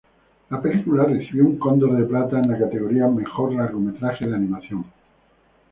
La película recibió un Cóndor de Plata en la categoría Mejor largometraje de animación.